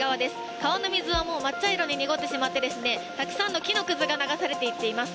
川の水はもうまっ茶色に濁ってしまっていてたくさんの木のくずが流されていっています。